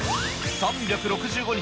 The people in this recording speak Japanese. ３６５日